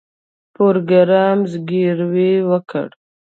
پروګرامر زګیروی وکړ